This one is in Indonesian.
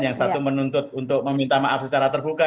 yang satu menuntut untuk meminta maaf secara terbuka